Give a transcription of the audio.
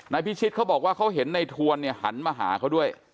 นายพิชิตเขาบอกว่าเขาเห็นไอ้ถวลหันมาหาเขาด้วย